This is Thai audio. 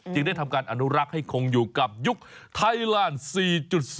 ได้ทำการอนุรักษ์ให้คงอยู่กับยุคไทยแลนด์๔๐